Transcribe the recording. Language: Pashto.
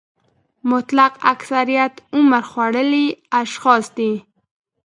مطلق اکثریت عمر خوړلي اشخاص دي.